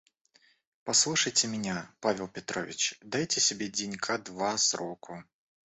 Послушайте меня, Павел Петрович, дайте себе денька два сроку.